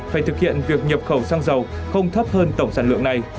phải thực hiện việc nhập khẩu xăng dầu không thấp hơn tổng sản lượng này